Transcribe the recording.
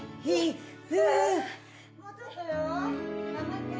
もうちょっとよ。頑張って！